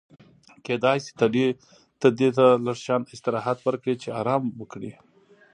کېدای شي ته دې ته لږ شان استراحت ورکړې چې ارام وکړي.